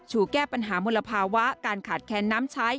แก้ปัญหามลภาวะการขาดแค้นน้ำใช้